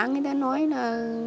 người ta nói là